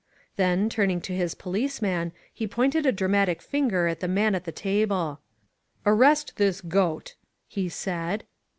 Then, turning to his policeman he pointed a dramatic finger at the man at the table. "Arrest this goat!" he said.